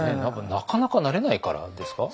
なかなかなれないからですか？